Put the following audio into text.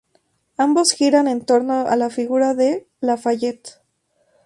Ambos giran en torno a la figura de La Fayette.